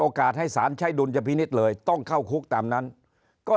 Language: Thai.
ให้สารใช้ดุลยพินิษฐ์เลยต้องเข้าคุกตามนั้นก็